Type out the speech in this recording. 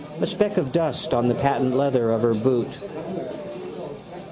A speck of dust on the patent leather of her boot.